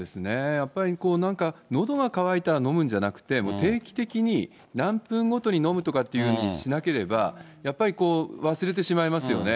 やっぱりなんか、のどが乾いたら飲むんじゃなくて、もう定期的に、何分ごとに飲むとかっていうようにしなければ、やっぱり、忘れてしまいますよね。